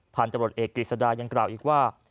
ผ่านจับรถเอกกฤษฎายังกล่าวอีกว่า